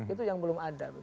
itu yang belum ada